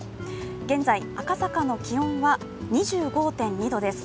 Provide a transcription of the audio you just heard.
現在赤坂の気温は２５．２度です。